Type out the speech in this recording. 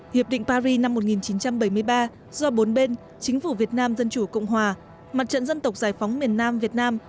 hiệp định paris năm một nghìn chín trăm bảy mươi ba do bốn bên chính phủ việt nam dân chủ cộng hòa mặt trận dân tộc giải phóng miền nam việt nam